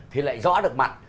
thì lại rõ được mặt